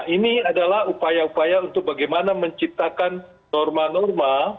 ini adalah upaya upaya untuk bagaimana menciptakan norma norma